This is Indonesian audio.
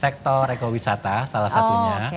sektor ekowisata salah satunya